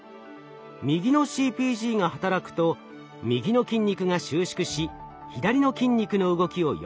右のＣＰＧが働くと右の筋肉が収縮し左の筋肉の動きを抑制。